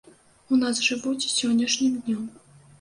У нас жывуць сённяшнім днём.